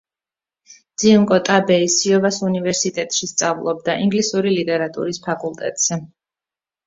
ძიუნკო ტაბეი სიოვას უნივერსიტეტში სწავლობდა, ინგლისური ლიტერატურის ფაკულტეტზე.